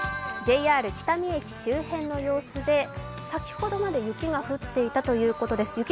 ＪＲ北見駅周辺の様子で先ほどまで雪が降っていたということです。